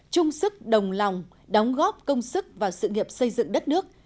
chung sức đồng lòng đóng góp công sức vào sự nghiệp xây dựng đất nước